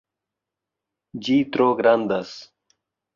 Ĝi tro grandas